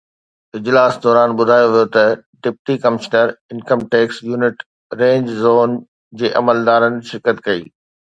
اجلاس دوران ٻڌايو ويو ته deputy commissioner income tax unit range zone جي عملدارن شرڪت ڪئي